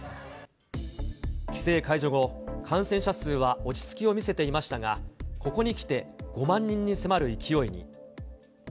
規制解除後、感染者数は落ち着きを見せていましたが、ここにきて５万人に迫る勢いに。